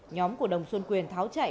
nhóm của đồng xuân quyền tháo chảy